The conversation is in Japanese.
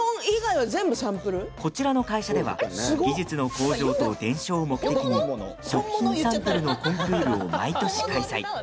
こちらの会社では技術の向上と伝承を目的に食品サンプルのコンクールを毎年開催。